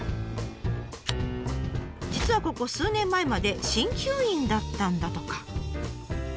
実はここ数年前まで鍼灸院だったんだとか。